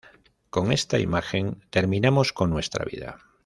Con esta imagen terminamos con nuestra vida".